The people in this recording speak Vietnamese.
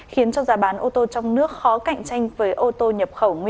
khiến cho giá bán ô tô trong nước khó cạnh tranh với ô tô nhập khẩu